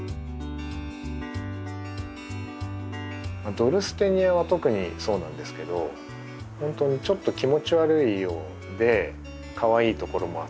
ドルステニアは特にそうなんですけどほんとにちょっと気持ち悪いようでかわいいところもあって。